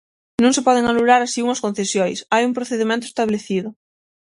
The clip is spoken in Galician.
Non se poden anular así unhas concesións, hai un procedemento establecido.